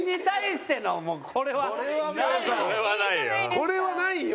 これはないよ。